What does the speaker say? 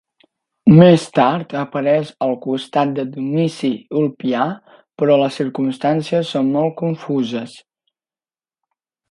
Més tard apareix al costat de Domici Ulpià però les circumstàncies són molt confuses.